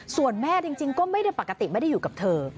ส่วนแม่จริงก็ไม่ได้ปกติไม่ได้อยู่กับเธอ